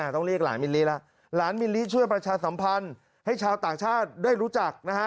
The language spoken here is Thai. ต้องเรียกหลานมิลลิแล้วหลานมิลลิช่วยประชาสัมพันธ์ให้ชาวต่างชาติได้รู้จักนะฮะ